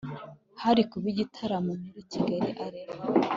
Harikuba igitaramo muri Kigali arena